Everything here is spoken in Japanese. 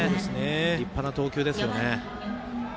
立派な投球ですよね。